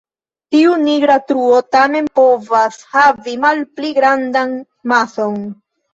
Tiu nigra truo tamen povas havi malpli grandan mason.